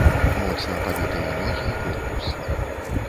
Моцна пабітыя ногі і корпус.